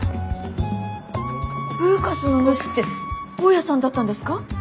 ブーカスのヌシって大家さんだったんですか。